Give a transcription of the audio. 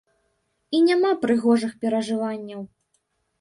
І няма прыгожых перажыванняў.